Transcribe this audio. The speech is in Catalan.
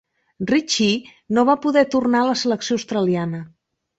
Ritchie no va poder tornar a la selecció australiana.